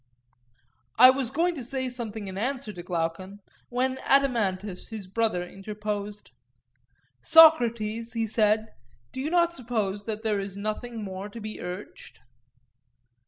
I was going to say something in answer to Glaucon, when Adeimantus, his brother, interposed: Socrates, he said, you do not suppose that there is nothing more to be urged?